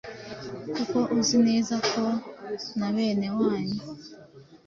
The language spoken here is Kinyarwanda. koko uzi neza ko nabene wanyu